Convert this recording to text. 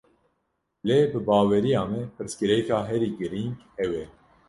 Lê bi baweriya me, pirsgirêka herî girîng ew e